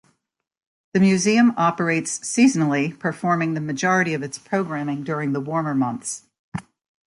The Museum operates seasonally, performing the majority of its programming during the warmer months.